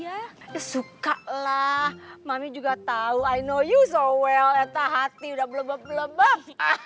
ya suka lah mami juga tau i know you so well eta hati udah belebap belebap